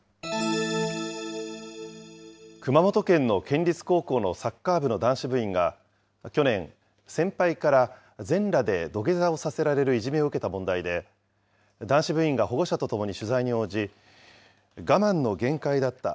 熊本県の県立高校のサッカー部の男子部員が去年、先輩から全裸で土下座をさせられるいじめを受けた問題で、男子部員が保護者とともに取材に応じ、我慢の限界だった。